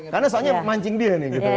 karena soalnya mancing dia nih gitu ya kan